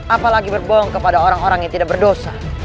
apalagi berbohong kepada orang orang yang tidak berdosa